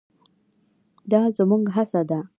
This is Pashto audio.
دا زموږ هڅه ده.